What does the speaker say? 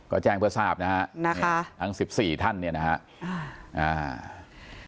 ก็แจ้งเพื่อทราบนะฮะทั้ง๑๔ท่านเนี่ยนะฮะ